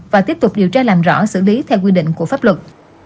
và tiếp tục điều tra làm rõ xử lý theo quy định của pháp luật